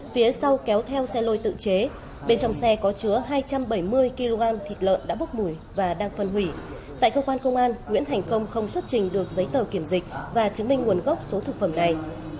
phía sau kéo theo xe lôi tự chế bên trong xe có chứa hai trăm bảy mươi kg thịt lợn đã bốc mùi và đang phân hủy tại cơ quan công an nguyễn thành công không xuất trình được giấy tờ kiểm dịch và chứng minh nguồn gốc số thực phẩm này